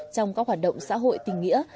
trong các hoạt động xã hội tình nghĩa